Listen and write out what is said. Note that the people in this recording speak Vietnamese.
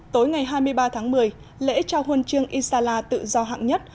tối ngày hai mươi ba tháng một mươi lễ trao huân chương isala tự do hạng nhất